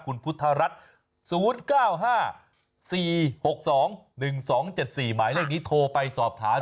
คุณพุทธรัฐ๐๙๕๔๖๒๑๒๗๔หมายเลขนี้โทรไปสอบถาม